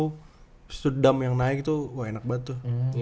abis itu dumb yang naik tuh enak banget tuh